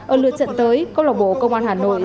ở lượt trận tới công an hà nội